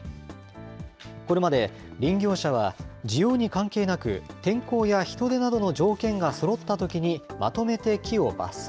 これまで林業者は需要に関係なく、天候や人手などの条件がそろったときに、まとめて木を伐採。